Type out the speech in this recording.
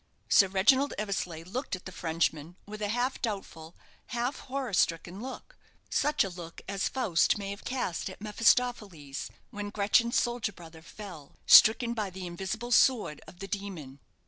Sir Reginald Eversleigh looked at the Frenchman with a half doubtful, half horror stricken look such a look as Faust may have cast at Mephistopheles, when Gretchen's soldier brother fell, stricken by the invisible sword of the demon.